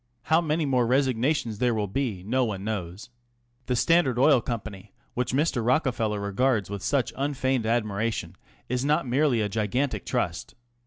How many more resignations there will be no one knows. The Standard Oil Company, which Mr. Rockefeller regards with such unfeigned admiration, is not merely a gigantic trust.